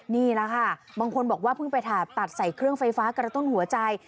นี่แหละค่ะบางคนบอกว่าเพิ่งไปผ่าตัดใส่เครื่องไฟฟ้ากระตุ้นหัวใจ